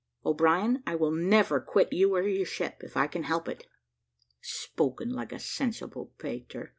"O'Brien, I will never quit you or your ship, if I can help it." "Spoken like a sensible Peter.